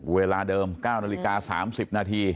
เวลาเดิม๙นาฬิกา๓๐นาที